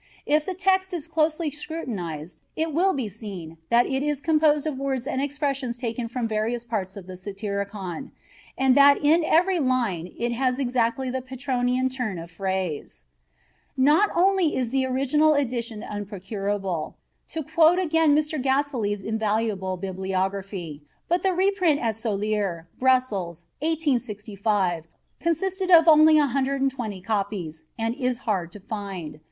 If the text is closely scrutinized it will be seen that it is composed of words and expressions taken from various parts of the Satyricon, "and that in every line it has exactly the Petronian turn of phrase." "Not only is the original edition unprocurable," to quote again from Mr. Gaselee's invaluable bibliography, "but the reprint at Soleure (Brussels), 1865, consisted of only 120 copies, and is hard to find.